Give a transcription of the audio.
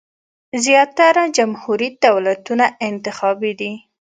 زیاتره جمهوري دولتونه انتخابي دي.